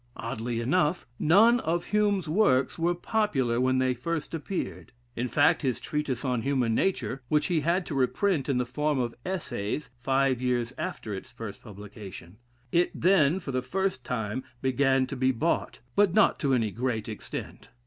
Oddly enough, none of Hume's works were popular when they first appeared. In fact, his "Treatise on Human Nature" he had to reprint in the form of Essays, five years after its first publication. It then, for the first time, began to be bought; but not to any great extent.